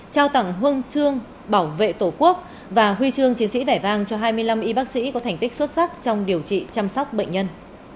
trao tặng huân chương bảo vệ tổ quốc và huy chương chiến sĩ vẻ vang cho hai mươi năm y bác sĩ có thành tích xuất sắc trong điều trị chăm sóc bệnh nhân